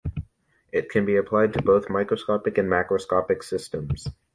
It can be applied to both microscopic and macroscopic systems.